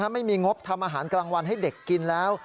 ไม่มีงบทำอาหารกลางวันให้เด็กกินแล้ว